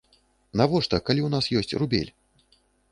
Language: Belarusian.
Навошта, калі ў нас ёсць рубель?